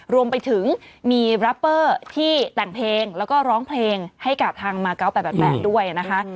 รวมไปถึงมีรัปเปอร์ที่แต่งเพลงแล้วก็ร้องเพลงให้กับทางมา๙๘๘ด้วยนะคะ